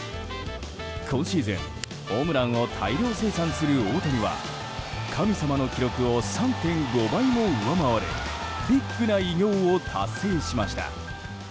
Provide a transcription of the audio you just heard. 今シーズン、ホームランを大量生産する大谷は神様の記録を３．５倍も上回るビッグな偉業を達成しました。